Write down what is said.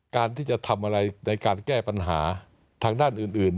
การที่จะทำอะไรในการแก้ปัญหาทางด้านอื่น